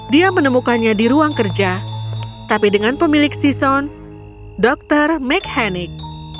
dia menemukannya di ruang kerja tapi dengan pemilik sison dr mechanic